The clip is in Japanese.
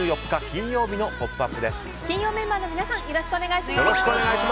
金曜メンバーの皆さんよろしくお願いします。